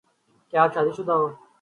کیا آپ شادی شدہ ہو